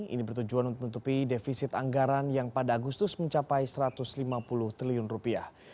ini bertujuan untuk menutupi defisit anggaran yang pada agustus mencapai satu ratus lima puluh triliun rupiah